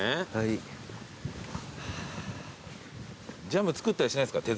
ジャム作ったりしないですか？